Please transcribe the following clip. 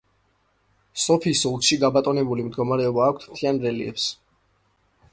სოფიის ოლქში გაბატონებული მდგომარეობა აქვს, მთიან რელიეფს.